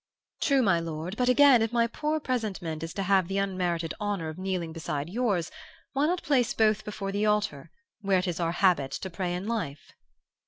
"'True, my lord but, again, if my poor presentment is to have the unmerited honor of kneeling beside yours, why not place both before the altar, where it is our habit to pray in life?